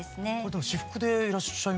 でも私服でいらっしゃいますよね。